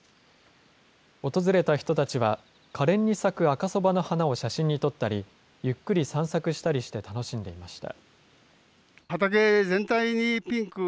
訪れた人たちはかれんに咲く赤そばの花を写真に撮ったり、ゆっくり散策したりして楽しんでいました。